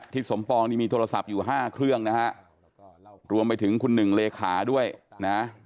สมปองนี่มีโทรศัพท์อยู่ห้าเครื่องนะฮะรวมไปถึงคุณหนึ่งเลขาด้วยนะ